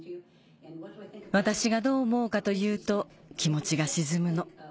私がどう思うかというと気持ちが沈むの。